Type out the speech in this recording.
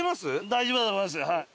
大丈夫だと思いますはい。